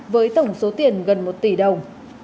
với tổng số tiền gần một tỷ đồng